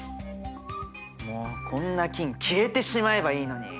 もうこんな菌消えてしまえばいいのに！